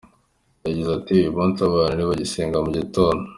Yagize ati "Uyu munsi abana ntibagisenga mu gitondo.